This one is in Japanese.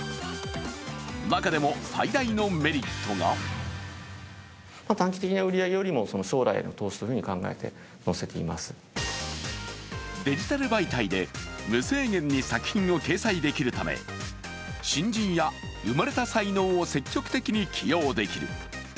中でも最大のメリットがデジタル媒体で無制限に作品を掲載できるため新人や埋もれた才能を積極的に起用できる。